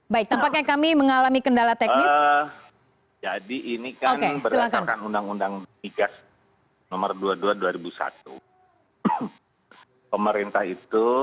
baik tampaknya kami mengalami kendala teknis